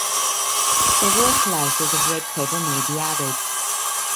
Several slices of red pepper may be added.